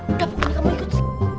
enggak bukan kamu ikut